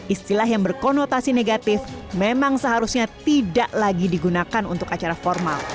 istilah yang berkonotasi negatif memang seharusnya tidak lagi digunakan untuk acara formal